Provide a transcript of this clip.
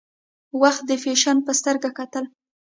وخت د فیشن په سترګه کتل.